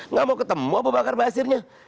nggak mau ketemu abu bakar basirnya